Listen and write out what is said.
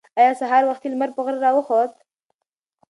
ایا سهار وختي لمر په غره راوخوت؟